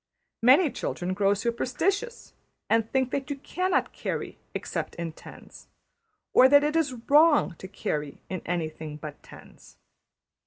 Many children grow superstitious, and think that you cannot carry except in tens; or that it is wrong to carry in anything but tens.